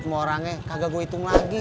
sebenarnya kurang gitu sekali